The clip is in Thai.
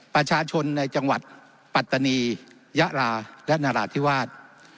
ประชาชนในจังหวัดปัตตานียะลาและนราธิวาส